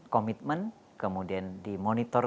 komitmen kemudian dimonitor